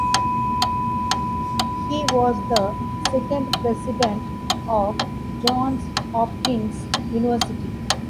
He was the second president of Johns Hopkins University.